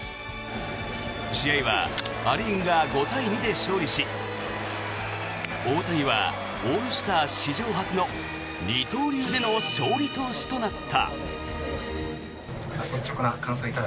試合はア・リーグが５対２で勝利し大谷はオールスター史上初の二刀流での勝利投手となった。